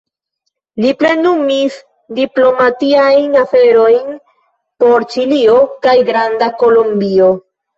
Li plenumis diplomatiajn aferojn por Ĉilio kaj Granda Kolombio.